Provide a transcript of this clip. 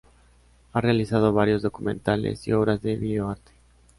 Ha realizado varios documentales y obras de videoarte.